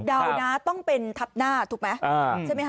เดานะต้องเป็นทับหน้าถูกไหม